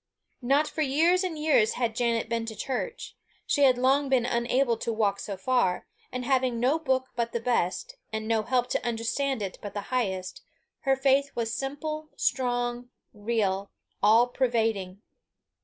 Not for years and years had Janet been to church; she had long been unable to walk so far; and having no book but the best, and no help to understand it but the highest, her faith was simple, strong, real, all pervading.